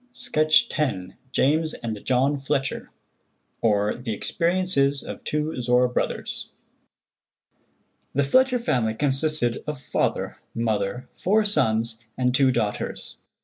Sketch X. JAMES AND JOHN FLETCHER; OR, THE EXPERIENCES OF TWO ZORRA BROTHERS. The Fletcher family consisted of father, mother, four sons, and two daughters.